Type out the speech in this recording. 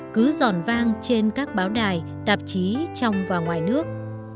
cứ giòn vang trên các báo đài tạp chí trong và ngoài nước